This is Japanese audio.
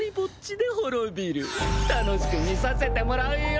楽しく見させてもらうよ。